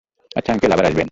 আচ্ছা, আঙ্কেল আবার আসবেন।